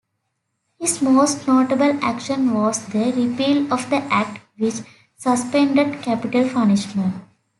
His most notable action was the repeal of the Act which suspended capital punishment.